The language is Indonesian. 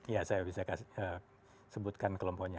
ya saya bisa sebutkan kelompoknya